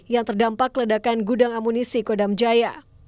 yang terdampak ledakan gudang amunisi kodam jaya